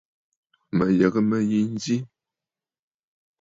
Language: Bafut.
Mə̀ yə̀gə̀ mə̂ yi nzi.